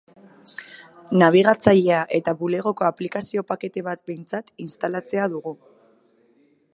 Nabigatzailea eta Bulegoko aplikazio-pakete bat behintzat instalatzea dugu.